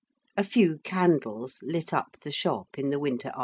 A few candles lit up the shop in the winter afternoons.